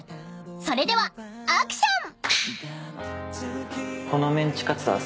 ［それではアクション］